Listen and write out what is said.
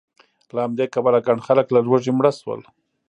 له همدې کبله ګڼ خلک له لوږې مړه شول